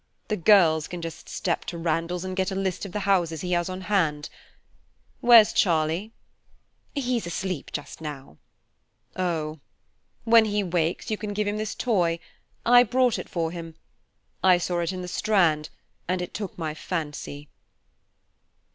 The girls can just step to Randall's and get a list of the houses he has on hand. Where's Charlie?" "He's asleep just now." "Oh! when he wakes, you can give him this toy. I brought it for him; I saw it in the Strand, and it took my fancy."